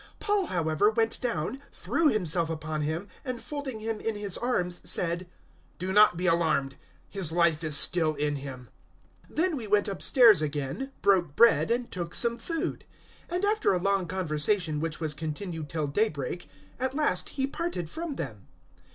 020:010 Paul, however, went down, threw himself upon him, and folding him in his arms said, "Do not be alarmed; his life is still in him." 020:011 Then he went upstairs again, broke bread, and took some food; and after a long conversation which was continued till daybreak, at last he parted from them.